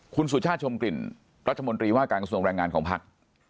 คุณสุชาชมกลิ่นรัชมนตรีว่าการหักส่วนรายงานของภัษ